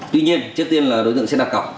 tuy nhiên trước tiên là đối tượng sẽ đặt cọc